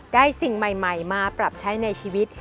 สิ่งใหม่มาปรับใช้ในชีวิต